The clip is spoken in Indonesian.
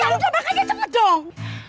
ya udah bangkanya cepet dong